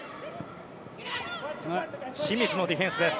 清水のディフェンスです。